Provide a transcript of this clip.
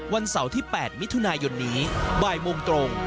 วันเสาร์ที่๘มิถุนายนนี้บ่ายโมงตรง